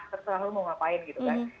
terserah lu mau ngapain gitu kan